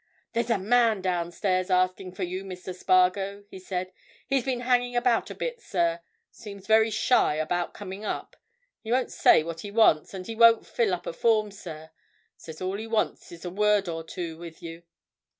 "There's a man downstairs asking for you, Mr. Spargo," he said. "He's been hanging about a bit, sir,—seems very shy about coming up. He won't say what he wants, and he won't fill up a form, sir. Says all he wants is a word or two with you."